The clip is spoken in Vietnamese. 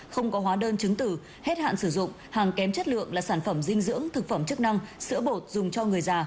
không có hóa đơn chứng tử hết hạn sử dụng hàng kém chất lượng là sản phẩm dinh dưỡng thực phẩm chức năng sữa bột dùng cho người già